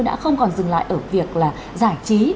đã không còn dừng lại ở việc là giải trí